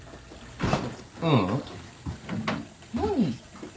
ううん。何？